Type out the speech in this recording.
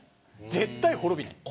絶対に滅びない。